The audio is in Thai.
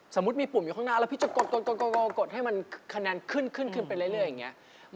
สมมุติมีปุ่มอยู่ข้างหน้าแล้วพี่จะกดให้มันคะแนนขึ้นขึ้นไปเรื่อยอย่างนี้